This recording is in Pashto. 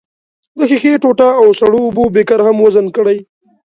د ښيښې ټوټه او سړو اوبو بیکر هم وزن کړئ.